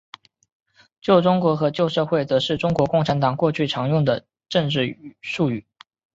旧中国和旧社会则是中国共产党过去常用的政治术语。